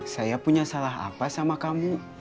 saya punya salah apa sama kamu